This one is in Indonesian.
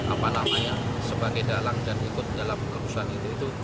apa namanya sebagai dalang dan ikut dalam kerusuhan itu itu